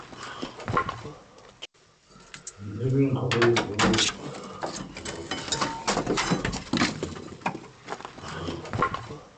Other companies show more experimental projects.